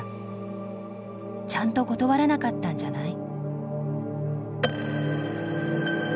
「ちゃんと断らなかったんじゃない？」。